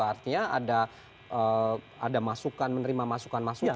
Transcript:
artinya ada masukan menerima masukan masukan